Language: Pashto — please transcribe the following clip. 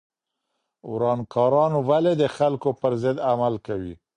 ورانکاران ولې د خلکو پر ضد عمل کوي؟